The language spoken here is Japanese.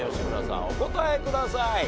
お答えください。